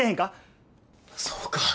そうか。